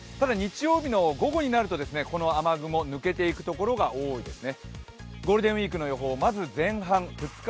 ただ日曜日の午後になるとこの雨雲抜けていくところが多いですね。